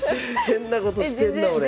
変なことしてんな俺。